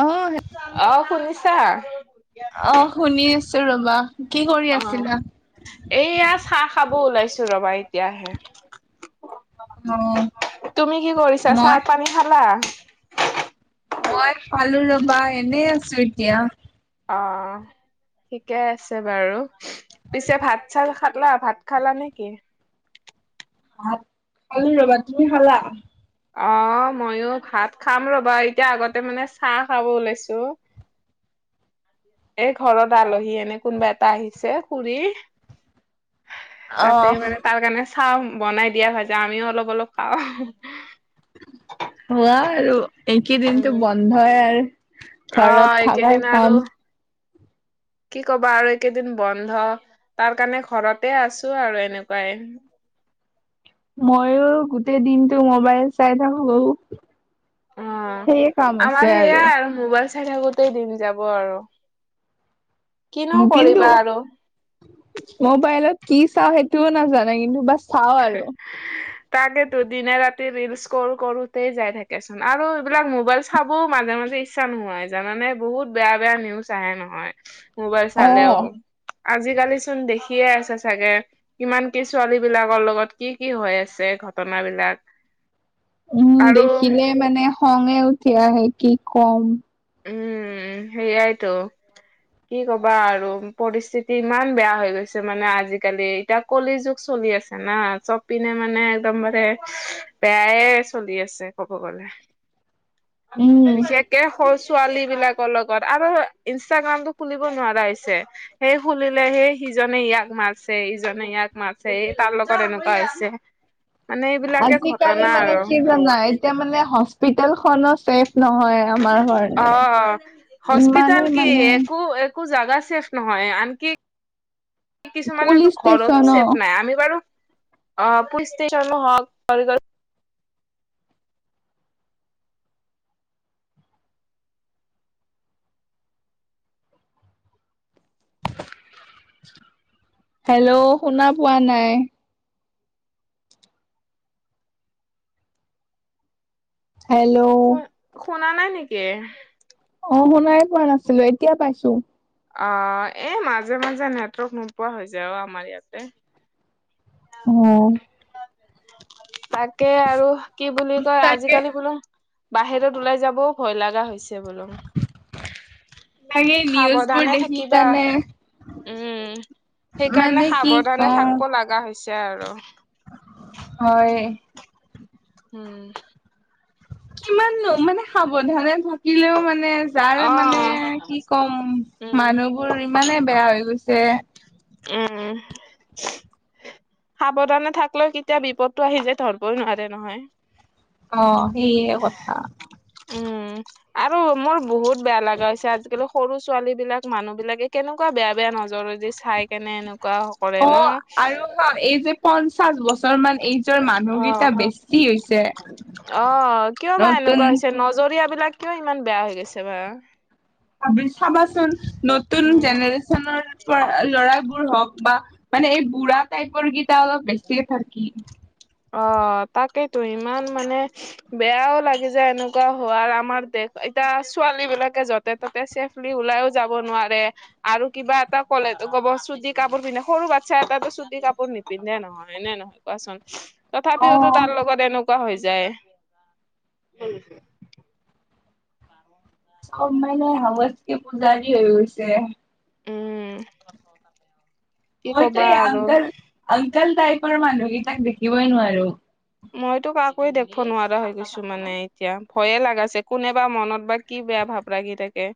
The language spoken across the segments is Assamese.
অ', আহ শুনিছা। অ শুনি আছো ৰবা কি কৰি অ আছিলা। এইয়া চাহ খাব ওলাইছো ৰবা এতিয়া। অ, তুমি কি কৰিছা চাহ মই পানী খালা। মই পালো ৰবা এনেই আছো এতিয়া। অ থিকে আছে বাৰু পিছে ভাত চাত খালা ভাত খালা নেকি। ভাত খালো ৰবা তুমি খালা। অ মইয়ো ভাত খাম ৰ'বা এতিয়া আগতে মানে চাহ খাব ওলাইছো। এই ঘৰত আলহী এনে কোনবা এটা আহিছে খুৰী, অ, তাতে মানে তাৰ কাৰণে চাওঁ বনাই দিয়া ভাজা আমিও অলপ অলপ খাওঁ, হোৱা আৰু একেইদিনতটো উম বন্ধ হয় আৰু অ ঘৰত এইকেইদিন থাকাই আৰু কাম। কি ক'ব আৰু এইকেইদিন বন্ধ। তাৰ কাৰণে ঘৰতে আছো আৰু এনেকুৱাই। মইয়ো গোটেই দিনটো মোবাইল চাই থাকো। অ সেয়ে কাম হৈছে আমাৰ সেয়াই আৰু মোবাইল চাই থাকোতেই দিন যাব আৰু কিনো কিন্তু কৰিবা আৰু মবাইলত কি চাওঁ সেইটোও নাজানে কিন্তু বাচ, চাওঁ আৰু তাকেতো দিনে ৰাতি ৰিলচ কৰো কৰোতে যাই থাকেচোন আৰু এইবিলাক মোবাইল চাবও মাজে মাজে। ইচ্ছা নোহোৱা হৈ জাই জানানে বহুত বেয়া বেয়া নিউজ আহে নহয়। মোবাইল অ, চালেও আজিকালি চোন দেখিয়ে আছে চাগে কিমান কি ছোৱালী বিলাক। লগত কি কি হৈ আছে ঘটন বিলাক। উম দেখিলে মানে খঙে উঠি আহে কি কম। উম সেয়াই তো। কি কবা আৰু পৰিস্থিতি ইমান বেয়া হৈ গৈছে মানে আজিকালি এতিয়া। কলি যুগ চলি আছে না চপিনে মানে একদম মানে। বেয়াই চলি আছে ক'ব গ'লে। [inaudible] উম, বিশেষকে। সৰু ছোৱালী বিলাকৰ লগত আৰু ইনষ্টাগ্ৰাম টো খুলিব নোৱাৰা হৈছে। সেই শুনিলে সেই সিজনে ইয়াক মাৰছে ইজনে ইয়াক মাৰিছে এই তাৰ লগত এনেকুৱা হৈছে, [inaudible] মানে এইবিলাকে আজিকালি ঘটনা মানে আৰু কি জানা এতিয়া মানে হস্পিতালখনো ছেফ নহয়। আমাৰ কাৰণে। অ ইমানে হস্পিতেল কি মানে একো একো, একো জাগা ছেফ নহয় আনকি। কিছুমানো পুলিচ ঘৰতো ষ্টেচনো চছেফ নাই আমি বাৰু অ পচ ষ্টেচনো হওক, হেল্ল শুনা পোৱা নাই। হেল্ল', শু- শুনা নাই নেকি। অ শুনাই পোৱা নাছিলো এতিয়া পাইছো। অ এই মাজে মাজে নেটৱৰ্ক নোপোৱা হৈ যায় আৰু আমাৰ ইয়াতে, অ তাকে আৰু কি বুলি কয় তাকে আজিকালি বোলো বাহিৰত ওলাই যাবও। ভয় লগা হৈছে বোলো তাকে নিউজ বোৰ সাৱধানে দেখি থাকিবা কাৰণে উম সেইকাৰণে মানে কি সাৱধানে কওঁ থাকিব লগা হৈছে আৰু হয় উম কিমান নো মানে সাৱধানে থাক থাকিলেও মানে যাৰ অ মানে কি ক'ম উম মানুহ বোৰ ইমানে বেয়া হৈ গৈছে। উম সাৱধানে থাকলেও কেতিয়া বিপদটো আহি যায় ধৰিবই নোৱাৰে নহয়। অহ সেইয়ে কথা। উম আৰু মোৰ বহুত বেয়া লগা হৈছে আজিকালি সৰু ছোৱালী বিলাক মানুহ বিলাকে কেনেকুৱা বেয়া বেয়া নজৰে দি চাই কেনে এনেকুৱা কৰে ন কি হ'ল এই যে পঞ্চাশ বছৰ মান এইজৰ মানুহকেইটা বেছি হৈছে অহ কিয় বা নতুন এনেকুৱা হৈছে নজৰীয়া বিলাক কিয় ইমান বেয়া হৈ গৈছে বাৰু চাবি চাবাচোন নতুন উম জেনেৰশ্যনৰ পৰা ল'ৰাবোৰ হওঁক বা মানে এই বুঢ়া টাইপৰ কেইটা অলপ বেছিকে থাকি অহ তাকেইতো ইমান মানে বেয়াও লাগি যে এনেকুৱা হোৱাৰ আমাৰ দেশ এতিয়া ছোৱালী বিলাকে যত য'তে তাতে চেভলি ওলাইও যাব নোৱাৰে। আৰু কিবা এটা ক'লে কব চুটি কাপোৰ পিন্ধে সৰু বাচ্ছা এটাতো চুটি কাপোৰ নিপিন্ধে নহয় হয় নে নহয় কোৱাচোন অ তথাপিওতো তাৰ লগত এনেকুৱা হৈ যায় কলে যাও চব মানে সৰস্বতী পূজাৰি দি হৈ গৈছে উম কি মইতো কবা এই আৰু আংকল আংকল টাইপৰ মানুহকেইটাক দেখিবই নোৱাৰো। মইতো কাকোয়ে দেখিব নোৱাৰা হৈ গৈছো মানে এতিয়া ভয়ে লগা হৈছে কোনে বা মনত বা কি বেয়া ভাৱ ৰাখি থাকে।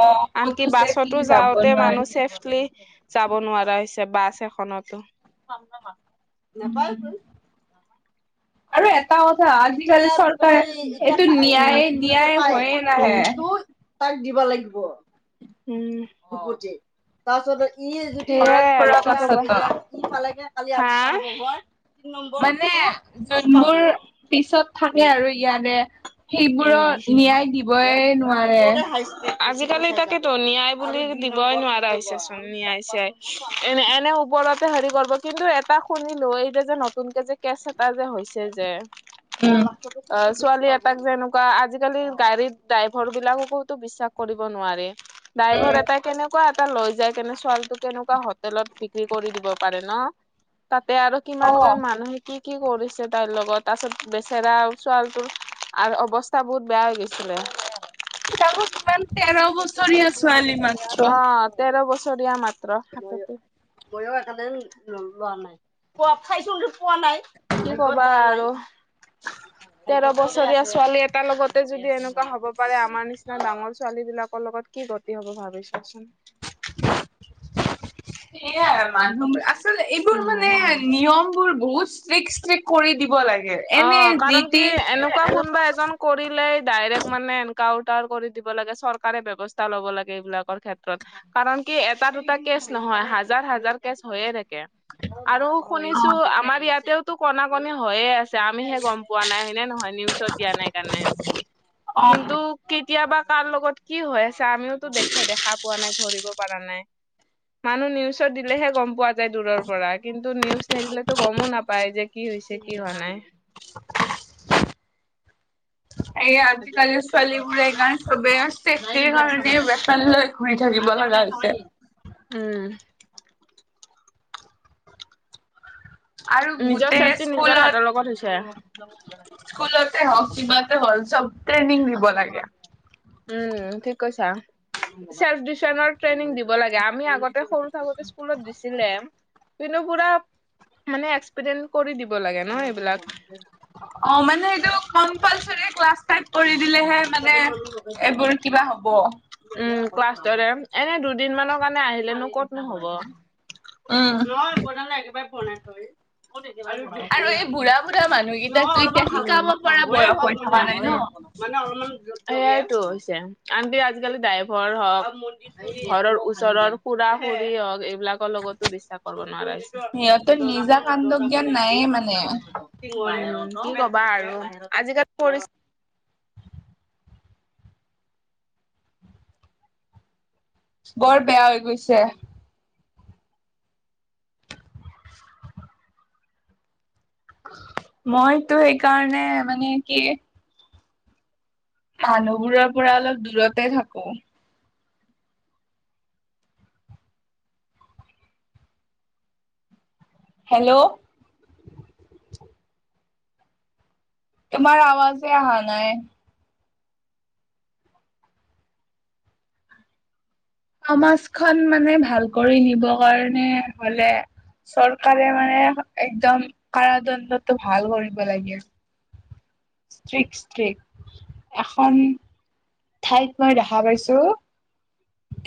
অ আনকি কতো চেফলি বাছতো যাব যাওঁতে মানুহ নোৱাৰি ছেফলি যাব নোৱাৰা হৈছে বাছ এখনতো উম নাপায়তো আৰু এটা কথা এতিয়া আজিকালি চৰকাৰে তই এতিয়া এইটো উম ন্যায় কালি যোনতে ন্যায় পায় হৈয়ে উম নাহে তেওঁ তাক দিব লাগিব উম উৎপত্তি তাৰপিছত ই ঘৰত সেয়া আৰু পৰা কি পাছতো হয় হব সি পালে গে কালি হাআ আপ [unintelligible] মই তিন নম্বৰ মানে ফটো দি পাব যোনবোৰ পিছত থাকে আৰু ইয়াতে সেইবোৰক ন্যায় দিবই নোৱাৰে আজিকালি তাকেতো ন্যায় বুলি দিবই নোৱাৰা হৈছে চোন ন্যায় চিয়াই এনে এনে ওপৰত এতিয়া হেৰি কৰিব কিন্তু এটা শুনিলো এই যে যে নতুনকে যে কেচ এটা যে হৈছে যে উম। অহ ছোৱালী এটাক জেনে কোৱা আজিকালি গাড়ীৰ ড্ৰাইভাৰ বিলাককোতো বিশ্বাস কৰিব নোৱাৰি ড্ৰাইভৰ এটাই কেনেকুৱা এটা লৈ যায় কেনে ছোৱালী টো কেনেকুৱা হোটেলত বিক্ৰী কৰি দিব পাৰে ন তাতে আৰু কিমান অ' জন মানুহে কি কি কৰিছে তাইৰ লগত আচল তাৰ পিছত বেচেৰা ছোৱালীটোৰ আৰু অৱ অৱস্তা বহুত বেয়া হৈ গৈছিলে তাকো কিমান তেৰ বছৰীয়া ছোৱালী মাত্ৰ। অ তেৰ বছৰীয়া মাত্ৰ ময় লোৱা নাই পোৱা খাইচোন পোৱা নাই কি কবা আৰু তেৰ বছৰীয়া ছোৱালী এটাৰ লগতে যদি এনেকুৱা হ'ব পাৰে আমাৰ নিচিনা ডাঙৰ ছোৱালী বিলাকৰ লগত কি গতি হ'ব ভাবিছা চোন সেয়াই মানুহৰ আচল এইবোৰ উম মানে নিয়ম বোৰ বহুত ষ্ট্ৰিকট ষ্ট্ৰিক কৰি দিব লাগে অ এনে যি কাৰণ কি টি এনেকুৱা অ' কোনোবা এজন কৰিলে ডাইৰেক্ট মানে এনকাউন্টাৰ কৰি দিব লাগে চৰকাৰে ব্যৱস্থা ল'ব লাগে এইবিলাকৰ ক্ষেত্ৰত কাৰণ কি এটা দুটা কেচ নহয় হাজাৰ হাজাৰ কেচ হৈয়ে থাকে আৰু শুনিছো আমাৰ ইয়াতেওতো কনা কণী হযয়ে আছে আমিহে গম পোৱা নাই হয়নে নহয় নিউজত দিয়া নাই কাৰণে অ' কিন্তু কেতিয়াবা কাৰ লগত কি হৈ আছে আমিওতো দেখা দেখা পোৱা নাই ধৰিব পৰা নাই। মানুহ নিউজত দিলেহে গ'ম পোৱা যায় দূৰৰ পৰা কিন্তু নিউজ নিদিলেতো গমো নাপায় যে কি হৈছে কি হোৱা নাই। এই আজিকালি ছোৱালীবোৰে এই কাৰণে তবে চেফ্টিৰৰ কাৰণে ৱেপান শুই থাকিব লগা হৈছে উম আৰু নিজৰ গোটেই চেফটি নিজৰ স্কুলত হাতৰ লগত হৈছে। স্কুলতে হওক কিবাতে হল চব ট্ৰেইনিং দিব লাগে। উম ঠিক কৈছা। চেল্ফ ডিফেন্সৰ ট্ৰেইনিং দিব লাগে আমি আগতে সৰু থাকোতে স্কুলত দিছিলে। কিন্তু পুৰা মানে এক্সপেৰিন কৰি দিব লাগে ন এইবিলাক অ মানে সেইটো কম্পালচাৰী ক্লাছ টাইপ কৰি দিলেহে মানে এইবোৰ কিবা হ'ব। উম ক্লাছৰ দৰে এনে দুদিন মানৰ কাৰণে আহিলেনো ক'তনো হব উম। ন বালে একেবাৰে বোৱা নাই থৰি আৰু এই বুঢ়া বুঢ়া মানুহকেইটাকতো এতিয়া শিকাব পৰা বয়স হৈ থকা নাই ন। মতিয়াৰ [unintelligible] সেয়াইটো হৈছে। আনকি আজিকালি ড্ৰাইভাৰ হওক ঘৰৰ ওচৰৰ খুৰা খুৰি হওক এইবিলাক ৰ লগতো বিশ্বাস কৰিব নোৱাৰা সিহঁতৰ নিজা কাণ্ড জ্ঞান হৈছো নায়ে মানে। উম কি কবা আৰু আজিকালি পৰিস্থিতি বৰ বেয়া হৈ গৈছে। মইতো সেইকাৰণে মানে কি। মানুহবোৰৰ পৰা অলপ দূৰতে থাকো হেল্ল' তোমাৰ আৱাজেই আহা নাই। সমাজখন মানে ভাল কৰি নিব কাৰণে হলে চৰকাৰে মানে একদম কাৰাদণ্ডতটো ভাল কৰিব লাগে। ষ্ট্ৰিক, ষ্ট্ৰিক এখন ঠাইত মই দেখা পাইছো।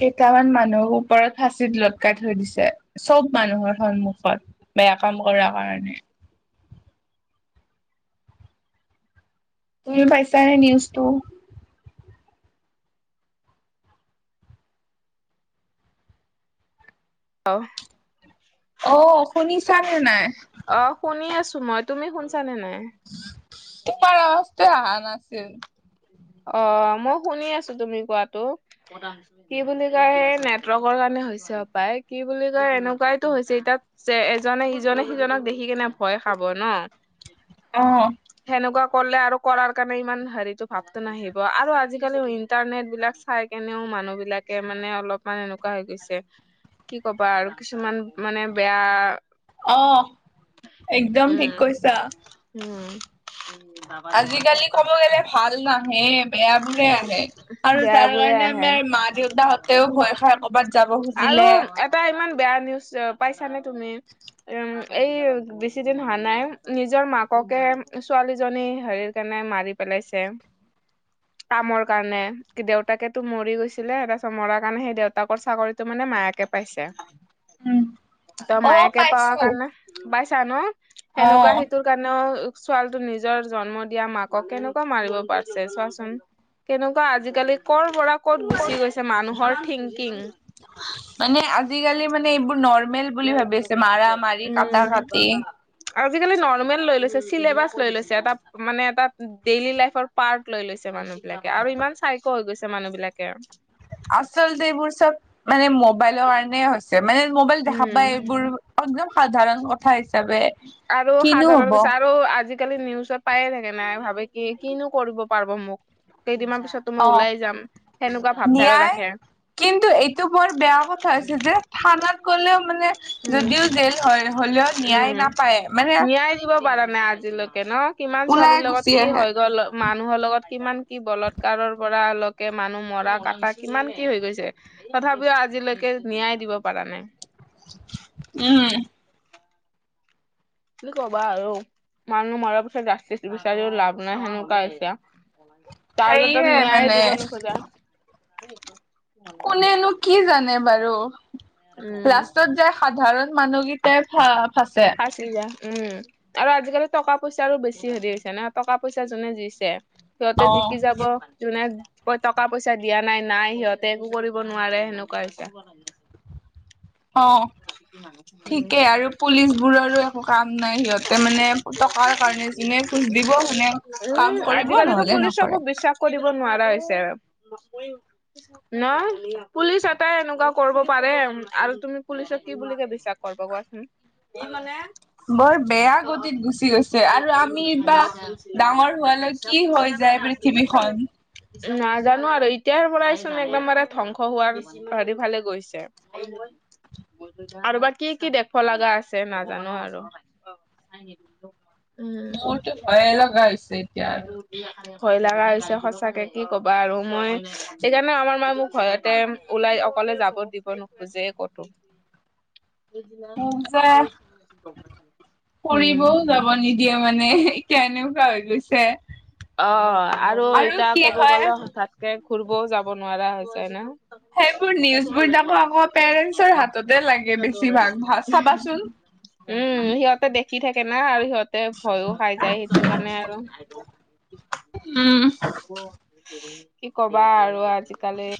কেইটামান মানুহৰ ওপৰত ফাঁচীত লটকাই থৈ দিছে। চব মানুহৰ সন্মুখত বেয়া কাম কৰাৰ কাৰণে। তুমি পাইছা নে নিউজটো? অ অ, শুনিছানে নাই? অ, শুনি আছো মই। তুমি শুনছানে নাই? তোমাৰ অৱাজতোৱে অহা নাছিল। অ মই শুনি আছো তুমি কোৱাটো। কি বুলি কয় সে নেটৱৰ্কৰ কাৰণে হৈছে হপায় কি বুলি কয় এনেকুৱাইতো হৈছে এতিয়া যে এজনে ইজনে সিজনক দেখি কেনে ভয় খাব ন অ সেনেকুৱা কৰিলে আৰু কৰাৰ কাৰণে ইমান হেৰিতো ভাৱটো নাহিব আৰু আজি-কালি ইণ্টাৰনেট বিলাক চাই কেনেও মানুহ বিলাকে মানে অলপ মানে এনেকুৱা হৈ গৈছে, কি কবা আৰু কিছুমান মানে বেয়া অ, একদম ঠিক উম কৈছা। উম। আজি-কালি কব গলে ভাল নাহে বেয়া বোৰেহে আহে আৰু বেয়া তাৰ বোৰে কাৰণে আহে আমাৰ মা দেউতাহত তেওঁ ভয় খাই কবাত যাব আৰু খুজিলে। এটা ইমান বেয়া নিউজ পাইছানে তুমি? উম, এই বেছিদিন হোৱা নাই নিজৰ মাককে ছোৱালীজনী হেৰি কেনে মাৰি পেলাইছে। কামৰ কাৰণে কি দেউতাকে তো মৰি গৈছিলে তাৰপিছত মৰাৰ কাৰণে, সেই দেউতাকৰ চাকৰি তো, মানে মায়াকে পাইছে উম ত অ মায়াকে পাৱা পাইছো কাৰণে পাইছা ন অ সেনেকুৱা সেইটোৰ- কাৰণেও ছোৱালীটো নিজৰ জন্ম দিয়া মাকক কেনেকুৱা মাৰিব পাৰছে চোৱাচোন। কেনেকুৱা আজি-কালি কৰ পৰা ক'ত গুচি গৈছে মানুহৰ থিংকিং। মানে আজি-কালি মানে এইবোৰ নৰৰ্মেল বুলি ভাবি আছে মাৰা মাৰি কটা উম কাটি। আজি-কালি নৰ্মেল লৈ লৈছে, চিলেবাছ লৈ লৈছে এটা মানে এটা ডেইলী লাইফৰ পাৰ্ট লৈ লৈছে মানুহ বিলাকে আৰু ইমান চাইক হৈ গৈছে মানুহ বিলাকে। আচলতে এইবোৰ চব মানে ম'বাইল কাৰণে হৈছে মানে ম'বাইল দেখা উম পায় এইবোৰ একদম সাধাৰণ কথা হিচাপে। আৰু কিনো সাধাৰণ হব পিছ আৰু আজি কালি নিউজত পায়ে থাকে নাই ভাবে কি কিনো কৰিব পাৰ মোক কেইদিনমান পিছত তো মই অ ওলাই যাম, সেনেকুৱা ভাৱধাৰা ন্যায় ৰাখে। কিন্তু এইটো বৰ বেয়া কথা হৈছে যে থানাত গ'লেও মানে উম যদিও জেল হয়, হলেও ন্যায় উম নাপায় মানে ন্যায় দিব পাৰা নাই আজিলৈকে ন কিমান ওলাই ছোৱালীৰ গুচি লগত কি আহে। হৈ গ'ল। মানুহৰ লগত কিমান কি বলৎকাৰৰ পৰা লকে মানুহ মাৰা কাটা কিমান কি হৈ গৈছে। তথাপিও আজিলৈকে ন্যায় দিব পৰা নাই। উম। কি কবা আৰু। মানুহ মৰা পিছত জাষ্টিচ বিচাৰিও লাভ নাই সেনেকুৱা হৈছে। তাৰ [unintelligible] সেয়ে ন্যায়ে মানে দিব নোখোযে। কোনে নো কি জানে বাৰু লাষ্টত যে উম সাধাৰণ মানুহকেইতাই ফা ফচে। ফাঁচী যাই, উম। আৰু আজি-কালি টকা পইচাৰো বেছি হেৰি হৈছে ন টকা পইচা যোনে যি ছে। সিহঁতে অ', জিকি যাব। যোনে ক টকা পইচা দিয়া নাই, নাই সিহঁতে একো কৰিব নোৱাৰে সেনেকুৱা হৈছে। অ'। উম ঠিকেই আৰু পুলিচ বোৰৰো একো কাম নাই সিহঁতে মানে টকাৰ কাৰণে যোনে খোজ দিব খোনে উম কাম কৰিব আজিকালিতো নহলে পুলিচকো নকৰে। বিশ্বাস কৰিব নোৱাৰা হৈছে আৰু। ন পুলিচ এটাই এনেকুৱা কৰিব পাৰে আৰু তুমি পুলিচত কি বুলি ভাবিছা [unintelligible] কোৱাচোন ই মানে বৰ বেয়া গতিত গুচি গৈছে, আৰু আমি বা ডাঙৰ হোৱালৈ কি হৈ যায় বুলি পৃথিৱীখন। নাজানো আৰু এতিয়াৰ পৰাই চোন একদম মানে ধ্বংস হোৱাৰ হেৰিফালে গৈছে। [inaudible] আৰু বা কি কি দেখিব লগা আছে নাজানো আৰু। উম। মোৰতো ভয়েই লগা হৈছে। এতিয়া আৰু [inaudible] ভয় লগা হৈছে সঁচাকে কি ক'বা আৰু মই সেইকাৰণে আমাৰ মায়ে মোক ভয়তে ওলাই অকলে যাব দিব নোখোজে ক'তো। [inaudible] মোক যে উম। দিয়ে মানে। কেনেকুৱা হৈ গৈছে। অ', আৰু এতিয়া কি ক'ব হয় গ'লে হঠাৎকে ঘূৰিবও যাব নোৱাৰা হৈছে না। সেইবোৰ নিউজবোৰ যাকো আকৌ পেৰেন্টছৰ হাততে লাগে বেছিভাগ ভাল চাবাচোন। উম, সিহঁতে দেখি থাকে না আৰু সিহঁতে ভয়ো খাই যায়, সেইটোৰ কাৰণে আৰু উম। কি কবা আৰু আজিকালি